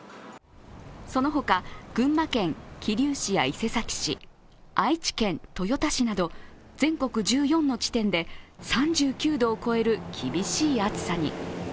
その他、群馬県桐生市や伊勢崎市愛知県豊田市など全国１４の地点で３９度を超える厳しい暑さに。